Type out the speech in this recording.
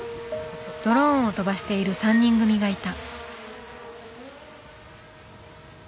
ドローンを飛ばしている３人組がいた。